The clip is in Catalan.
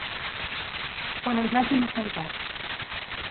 Quan ens hàgim assentat.